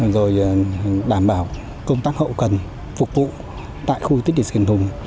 rồi đảm bảo công tác hậu cần phục vụ tại khu tích định dỗ tổ hùng